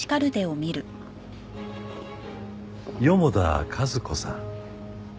四方田和子さん。